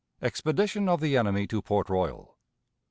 Expedition of the Enemy to Port Royal.